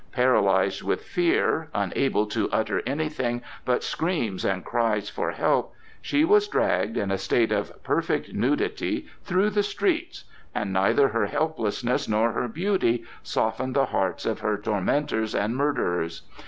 Paralyzed with fear, unable to utter anything but screams and cries for help, she was dragged, in a state of perfect nudity, through the streets, and neither her helplessness nor her beauty softened the hearts of her tormentors and murderers.